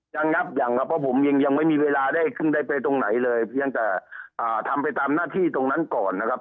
ยังครับยังครับเพราะผมยังยังไม่มีเวลาได้ไปตรงไหนเลยเพียงแต่ทำไปตามหน้าที่ตรงนั้นก่อนนะครับ